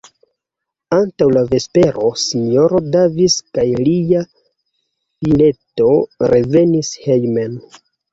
Antaŭ la vespero S-ro Davis kaj lia fileto revenis hejmen.